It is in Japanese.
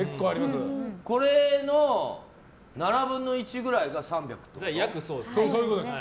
これの７分の１ぐらいが３００ってことか。